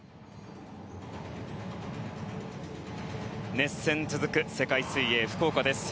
熱戦続く世界水泳福岡です。